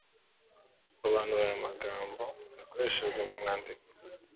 Sobanura aya magambo yakoreshejwe mu mwandiko: